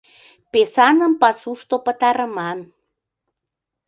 Песаным пасушто пытарыман.